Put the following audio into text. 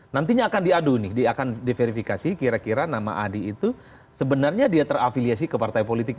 nantinya akan diadu nih akan diverifikasi kira kira nama adi itu sebenarnya dia terafiliasi ke partai politik